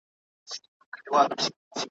ونو هسي هم د وینو رنګ اخیستی `